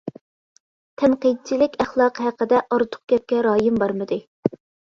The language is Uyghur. تەنقىدچىلىك ئەخلاقى ھەققىدە ئارتۇق گەپكە رايىم بارمىدى.